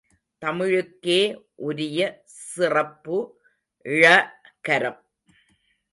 தமிழுக்கே உள்ள சிறப்பு ழ கரம்.